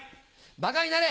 バカになれ。